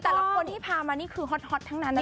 แต่ละคนที่พามานี่คือฮอตทั้งนั้นนะคะ